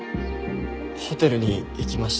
ホテルに行きました。